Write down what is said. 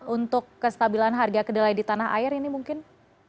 untuk kestabilan harga kedelai di tanah air ini mungkin